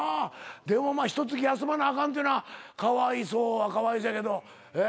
でもまあひとつき休まなあかんというのはかわいそうはかわいそうやけど。